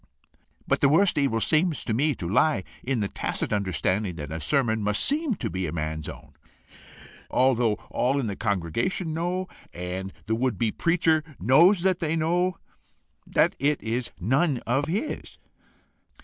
But the worse evil appears to me to lie in the tacit understanding that a sermon must SEEM to be a man's own, although all in the congregation know, and the would be preacher knows that they know, that it is none of his."